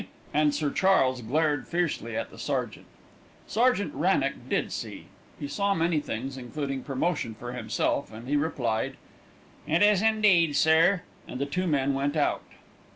And Sir Charles glared fiercely at the sergeant. Sergeant Wrannock did see. He saw many things, including promotion for himself, and he replied, "It is indeed, sir!" And the two men went out.